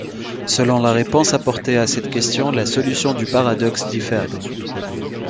Selon la réponse apportée à cette question la solution du paradoxe diffère.